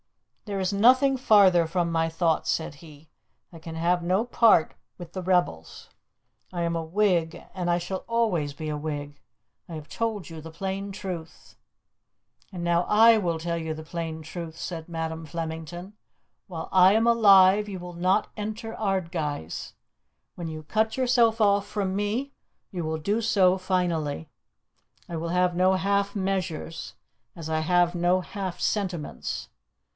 "There is nothing farther from my thoughts," said he. "I can have no part with rebels. I am a Whig, and I shall always be a Whig. I have told you the plain truth." "And now I will tell you the plain truth," said Madam Flemington. "While I am alive you will not enter Ardguys. When you cut yourself off from me you will do so finally. I will have no half measures as I have no half sentiments.